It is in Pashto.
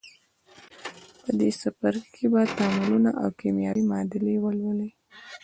په دې څپرکي کې به تعاملونه او کیمیاوي معادلې ولولئ.